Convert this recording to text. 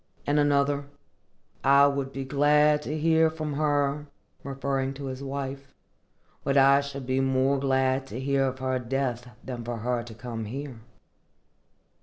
In another, "I would be glad to hear from her [his wife], but I should be more glad to hear of her death than for her to come here."